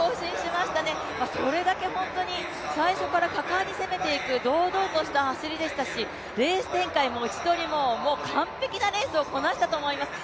それだけ本当に最初から果敢に攻めていく、堂々とした走りでしたしレース展開も位置撮りも完璧なレースをこなしたと思います。